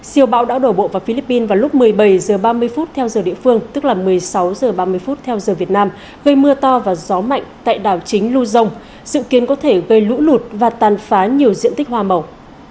siêu bão đã đổ bộ vào philippines vào lúc một mươi bảy h ba mươi theo giờ địa phương tức là một mươi sáu h ba mươi theo giờ việt nam gây mưa to và gió mạnh tại đảo chính luzon dự kiến có thể gây lũ lụt và tàn phá nhiều diện tích hoa màu